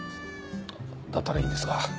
だったらいいんですが。